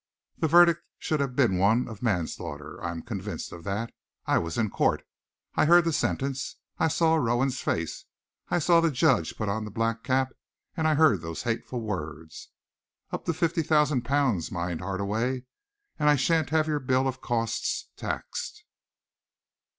The verdict should have been one of manslaughter. I am convinced of that. I was in court. I heard the sentence. I saw Rowan's face. I saw the judge put on the black cap, and I heard those hateful words. Up to fifty thousand pounds, mind, Hardaway, and I sha'n't have your bill of costs taxed...."